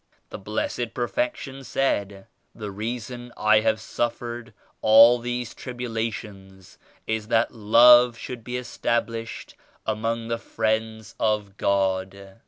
The Blessed Perfection said *The reason I have suffered all these tribulations is that Love should be established among the friends of God.'